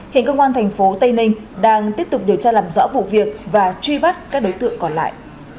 hình cơ quan tp tây ninh đang tiếp tục điều tra làm rõ vụ việc và truy bắt các đối tượng còn lại